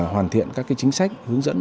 hoàn thiện các cái chính sách hướng dẫn